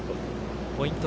ポイント